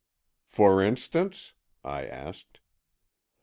"For instance?" I asked.